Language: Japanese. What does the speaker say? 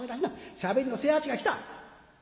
しゃべりの清八が来た」。